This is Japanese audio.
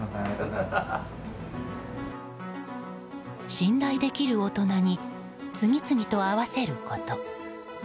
信頼できる大人に次々と会わせること。